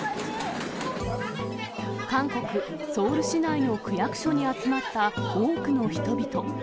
韓国・ソウル市内の区役所に集まった多くの人々。